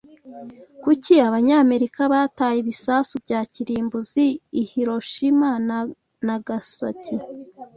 Kuki Abanyamerika bataye ibisasu bya kirimbuzi i Hiroshima na Nagasaki